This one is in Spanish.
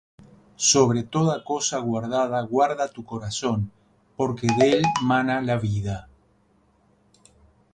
Sobre toda cosa guardada guarda tu corazón; Porque de él mana la vida.